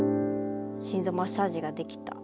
心臓マッサージができた。